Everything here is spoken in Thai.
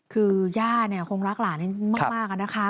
คือย่าคงรักหลานมากนะคะ